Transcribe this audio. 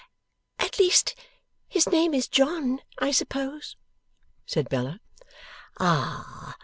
'At least, his name is John, I suppose?' said Bella. 'Ah!